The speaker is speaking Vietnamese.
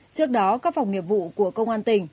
trước đó các phòng nghiệp vụ của công an tỉnh